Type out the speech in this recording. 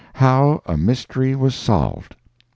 How a Mystery was Solved.